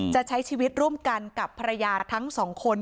จะใช้ชีวิตร่วมกันกับภรรยาทั้งสองคน